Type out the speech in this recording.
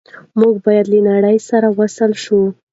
موږ باید له نړۍ سره وصل شو.